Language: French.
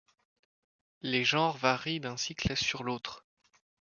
Les genres varient d’un cycle sur l’autre.